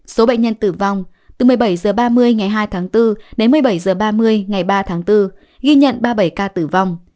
số bệnh nhân tử vong từ một mươi bảy h ba mươi ngày hai tháng bốn đến một mươi bảy h ba mươi ngày ba tháng bốn ghi nhận ba mươi bảy ca tử vong